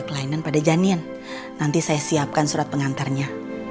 selain pada janian nanti saya siapkan surat pengantarnya